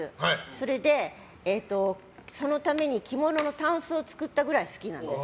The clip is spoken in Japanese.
それで、そのために着物のタンスを作ったくらい好きなんです。